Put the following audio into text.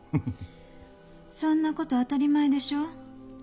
そんな事当たり前でしょ。